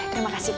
terima kasih pak